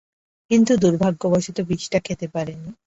কিন্তু দূর্ভাগ্যবশত বিষটা খেতে পারে নি।